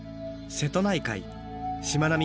瀬戸内海しまなみ